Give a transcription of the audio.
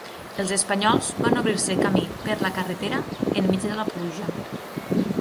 Els espanyols van obrir-se camí per la carretera enmig de la pluja.